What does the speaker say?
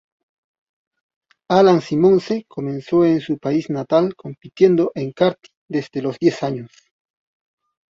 Allan Simonsen comenzó en su país natal compitiendo en karting desde los diez años.